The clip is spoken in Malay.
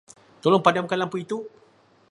Tolong padamkan lampu itu.